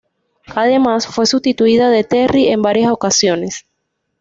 Además, fue sustituta de Terry en varias ocasiones.